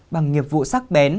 bằng nghiệp vụ sắc bén